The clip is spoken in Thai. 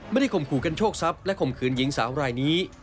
ข่มขู่กันโชคทรัพย์และข่มขืนหญิงสาวรายนี้